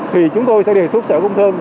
thì chúng tôi sẽ đề xuất sở công thương